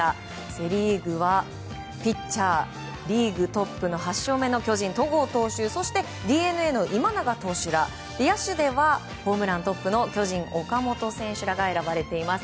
セ・リーグはピッチャーリーグトップの８勝目の巨人戸郷投手ＤｅＮＡの今永投手ら野手ではホームラントップの巨人、岡本選手らが選ばれています。